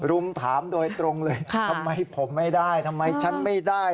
รุมถามโดยตรงเลยทำไมผมไม่ได้ทำไมฉันไม่ได้